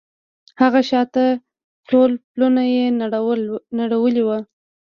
هغه شاته ټول پلونه يې نړولي وو.